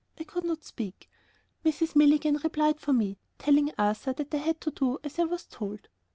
I could not speak. Mrs. Milligan replied for me, telling Arthur that I had to do as I was told.